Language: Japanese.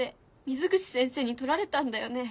水口先生にとられたんだよね？